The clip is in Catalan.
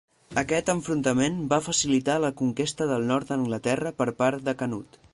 Aquest enfrontament va facilitar la conquesta del nord d'Anglaterra per part de Canut.